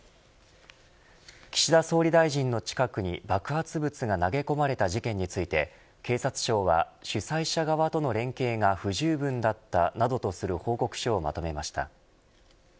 岸田総理大臣の近くに爆発物が投げ込まれた事件について警察庁は、主催者側との連携が不十分だったなどとする報告書をまとめました。